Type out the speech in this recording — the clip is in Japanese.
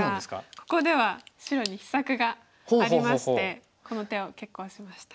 ここでは白に秘策がありましてこの手を決行しました。